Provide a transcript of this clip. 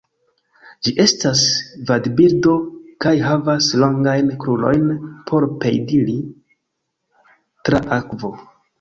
Ĝi estas vadbirdo kaj havas longajn krurojn por piediri tra akvo.